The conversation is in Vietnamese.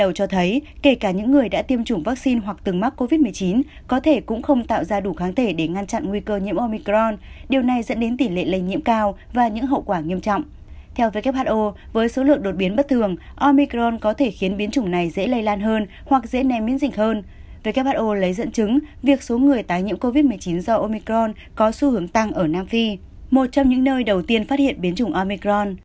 who lấy dẫn chứng việc số người tái nhiễm covid một mươi chín do omicron có xu hướng tăng ở nam phi một trong những nơi đầu tiên phát hiện biến chủng omicron